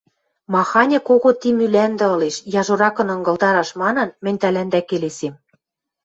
Маханьы кого ти Мӱлӓндӹ ылеш, яжоракын ынгылдараш манын, мӹнь тӓлӓндӓ келесем